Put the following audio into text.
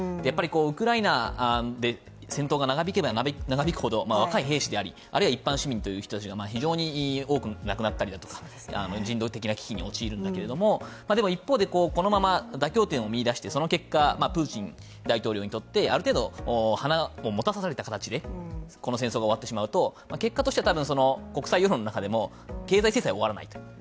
やっぱりウクライナで戦闘が長引けば長引くほど若い兵士であり、一般市民という方が非常に多く亡くなったりだとか人道的な危機に陥っているんだけれども一方でこのまま妥協点を見出して、その結果、プーチン大統領にとってある程度、華を持たされた形でこの戦争が終わってしまうと結果としては多分、国際世論の中でも経済制裁は終わらないと。